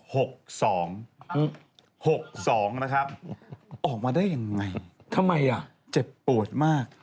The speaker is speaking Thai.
หกสองนะครับออกมาได้ยังไงเจ็บโปรดมาก